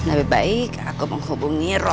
hai lebih baik aku penghubung erroy